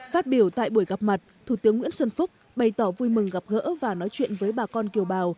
phát biểu tại buổi gặp mặt thủ tướng nguyễn xuân phúc bày tỏ vui mừng gặp gỡ và nói chuyện với bà con kiều bào